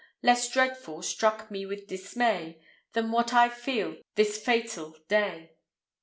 Less dreadful struck me with dismay, Than what I feel this fatal day."